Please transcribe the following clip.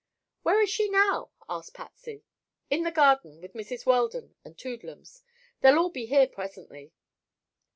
"Where is she now?" asked Patsy. "In the garden with Mrs. Weldon and Toodlums. They'll all be here presently."